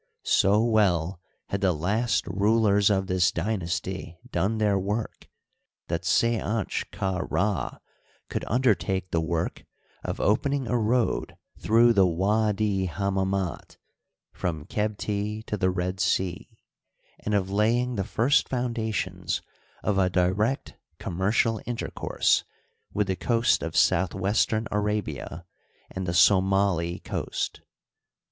So well had the last rulers of this dynasty done their work, that Sednch ka Rd could undertake the work of opening a road through the Widi Hammamat, from Qebti to the Red Sea ; and of laying the first foundations of a direct com mercial intercourse with the coast of southwestern Arabia and the Somili coast.